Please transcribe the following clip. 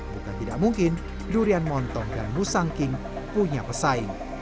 bukan tidak mungkin durian montong dan musangking punya pesaing